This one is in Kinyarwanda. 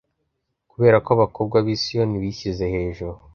kubera ko abakobwa b'i siyoni bishyize ejuru